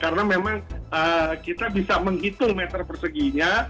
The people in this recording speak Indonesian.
karena memang kita bisa menghitung meter perseginya